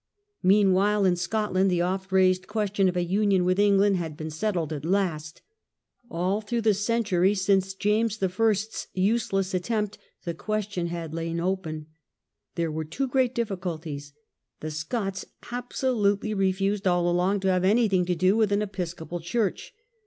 Meanwhile in Scotland the oft raised question of a Union with England had been settled at last. All The Union through the century since James I.'s useless with Scotland, attempt the question had lain open. There ^'^^' were two great difficulties. The Scots abso lutely refused all along to have anything to do with an Episcopal Church.